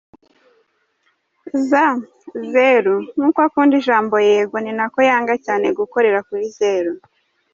Z: Zeru, nk’uko akunda ijambo Yego ni nako yanga cyane gukorera kuri Zeru.